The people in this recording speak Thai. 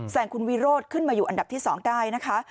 งคุณวิโรธขึ้นมาอยู่อันดับที่๒ได้นะคะ